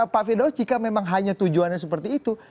pak firdaus jika memang hanya tujuannya seperti itu